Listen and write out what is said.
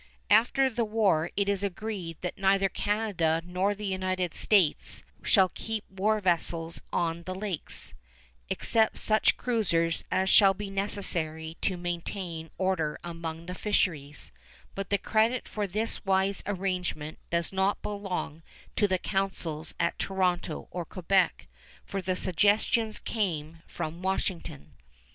After the war it is agreed that neither Canada nor the United States shall keep war vessels on the lakes, except such cruisers as shall be necessary to maintain order among the fisheries; but the credit for this wise arrangement does not belong to the councils at Toronto or Quebec, for the suggestions came from Washington.